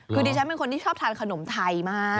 คือดิฉันเป็นคนที่ชอบทานขนมไทยมาก